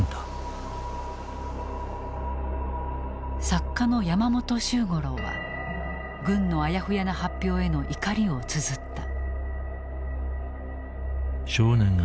作家の山本周五郎は軍のあやふやな発表への怒りをつづった。